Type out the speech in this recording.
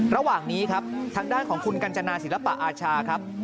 ระหว่างนี้ครับทางด้านของคุณกัญจนาศิลปะอาชาครับ